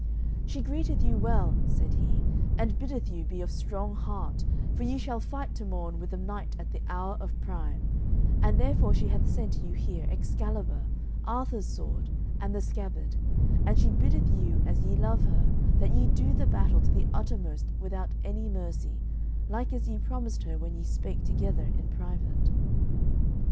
"She greeteth you well," said he, "and biddeth you be of strong heart, for ye shall fight to morn with a knight at the hour of prime, and therefore she hath sent you here Excalibur, Arthur's sword, and the scabbard, and she biddeth you as ye love her, that ye do the battle to the uttermost without any mercy, like as ye promised her when ye spake together in private."